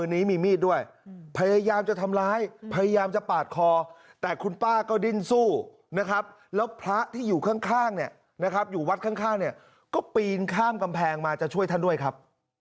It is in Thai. นี่แหละครับคุณผู้ชมครับ